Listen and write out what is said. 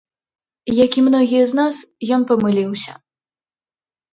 Як і многія з нас, ён памыліўся.